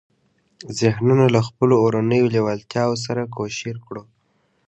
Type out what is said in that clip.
ذهنونه له خپلو اورنيو لېوالتیاوو سره کوشير کړو.